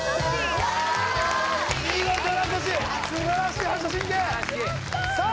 見事素晴らしい反射神経さあ